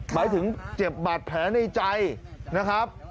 หมายถึงเจ็บบาดแผลในใจนะครับ